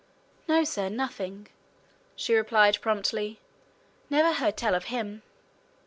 "No, sir, nothing!" she replied promptly. "Never heard tell of him!"